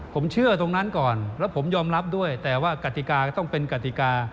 ผมเชื่อตรงนั้นก่อนแล้วผมยอมรับด้วยแต่ว่ากติกาก็ต้องเป็นกติกา